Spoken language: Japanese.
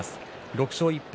６勝１敗、